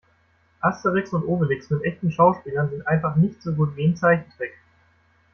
Asterix und Obelix mit echten Schauspielern sind einfach nicht so gut wie in Zeichentrick.